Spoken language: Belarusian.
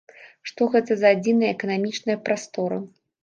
Што гэта за адзіная эканамічная прастора?